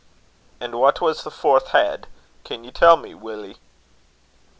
"An' what was the fourth heid, can ye tell me, Willie?"